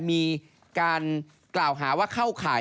มีการกล่าวหาว่าเข้าข่าย